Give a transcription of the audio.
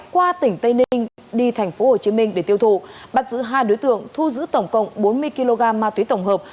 qua tỉnh tây ninh đi tp hcm để tiêu thụ bắt giữ hai đối tượng thu giữ tổng cộng bốn mươi kg ma túy tổng hợp